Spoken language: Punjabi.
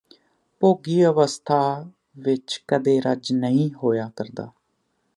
ਭੋਗੀ ਅਵਸਥਾਂ ਵਿਚ ਕਦੇ ਰੱਜ ਨਹੀਂ ਹੋਇਆ ਕਰਦਾ